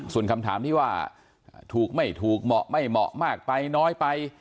ส่วนคำถามที่ว่าถูกไม่ถูกเหมาะไม่เหมาะมากไปน้อยไป